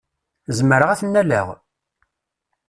Zemreɣ ad t-nnaleɣ?